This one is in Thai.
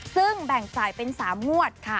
ซึ่งแบ่งจ่ายเป็น๓งวดค่ะ